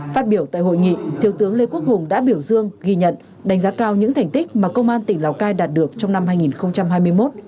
phát biểu tại hội nghị thiếu tướng lê quốc hùng đã biểu dương ghi nhận đánh giá cao những thành tích mà công an tỉnh lào cai đạt được trong năm hai nghìn hai mươi một